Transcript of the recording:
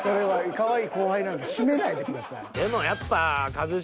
かわいい後輩なんで締めないでください。